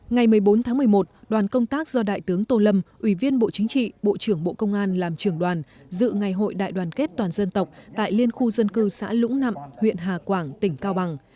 ngày một mươi bốn tháng một mươi một đoàn công tác do đại tướng tô lâm ủy viên bộ chính trị bộ trưởng bộ công an làm trưởng đoàn dự ngày hội đại đoàn kết toàn dân tộc tại liên khu dân cư xã lũng nặng huyện hà quảng tỉnh cao bằng